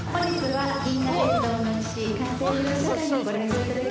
はい。